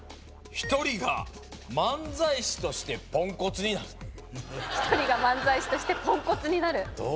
「１人が漫才師としてポンコツになる」「１人が漫才師としてポンコツになる」